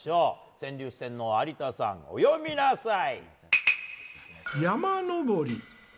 川柳四天王有田さん、お詠みなさい！